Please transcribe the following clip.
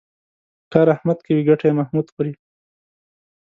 کار احمد کوي ګټه یې محمود خوري.